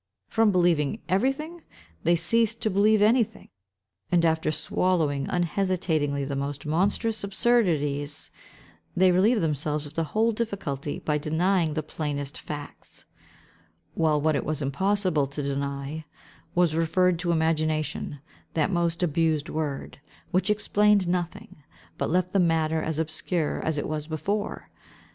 From believing everything, they ceased to believe anything; and, after swallowing unhesitatingly the most monstrous absurdities, they relieved themselves of the whole difficulty, by denying the plainest facts; while what it was found impossible to deny, was referred to imagination—that most abused word, which explained nothing, but left the matter as obscure as it was before.